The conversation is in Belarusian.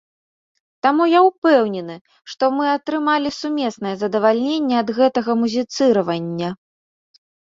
Таму я ўпэўнены, што мы атрымалі сумеснае задавальненне ад гэтага музіцыравання.